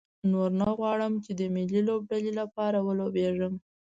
نور نه غواړم چې د ملي لوبډلې لپاره ولوبېږم.